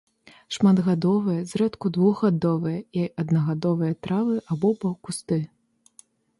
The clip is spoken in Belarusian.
Шматгадовыя, зрэдку двухгадовыя і аднагадовыя травы або паўкусты.